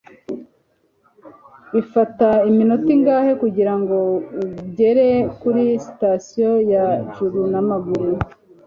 bifata iminota ingahe kugirango ugere kuri sitasiyo ya jr n'amaguru